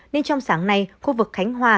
nên trong sáng nay khu vực khánh hòa